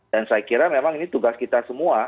dan saya kira memang ini tugas kita semua